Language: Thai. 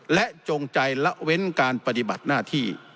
และจงใจละเว้นการปฏิบัติหน้าที่